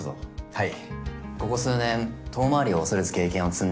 はい。